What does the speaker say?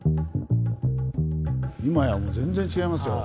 今やもう全然違いますよ。